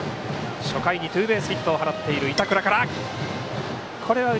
初回にツーベースヒットを放っている板倉から。